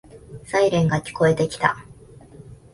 サイレンが聞こえてきた。